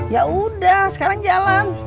yaudah sekarang jalan